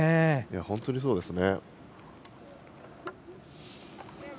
本当にそうですね。